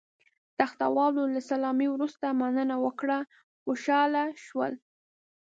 تخته والاو له سلامۍ وروسته مننه وکړه، خوشاله شول.